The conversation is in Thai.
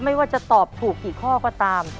ไม่ว่าจะตอบถูกกี่ข้อก็ตาม